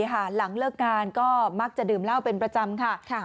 หลังเลิกงานก็มักจะดื่มเหล้าเป็นประจำค่ะ